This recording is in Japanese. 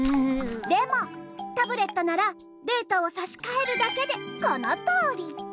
でもタブレットならデータをさしかえるだけでこのとおり！